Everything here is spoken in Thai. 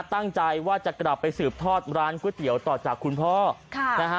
ตั้งใจว่าจะกลับไปสืบทอดร้านก๋วยเตี๋ยวต่อจากคุณพ่อค่ะนะฮะ